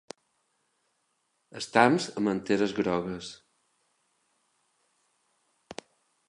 Estams amb anteres grogues.